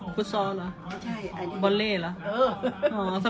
พุทธซอลเหรอ